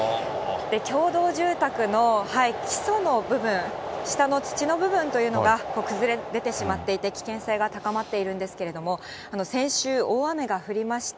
共同住宅の基礎の部分、下の土の部分というのが崩れ出てしまっていて、危険性が高まっているんですけれども、先週、大雨が降りました。